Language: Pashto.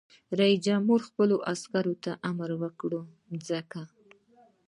رئیس جمهور خپلو عسکرو ته امر وکړ؛ ځمکه!